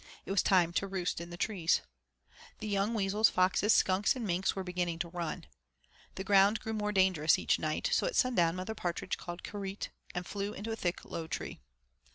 It was time to roost in the trees. The young weasels, foxes, skunks, and minks were beginning to run. The ground grew more dangerous each night, so at sundown Mother Partridge called 'K reet,' and flew into a thick, low tree.